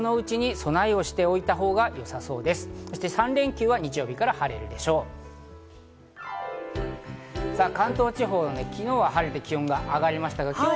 そして３連休は日曜日から晴れるでしょう。